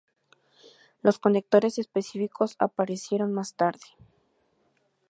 Los conectores específicos aparecieron más tarde.